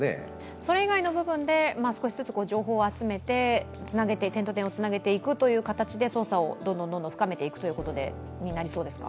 それ以外の部分で少しずつ情報を集めて点と点をつなげていくというような形で捜査をどんどん深めていくということになりそうですか？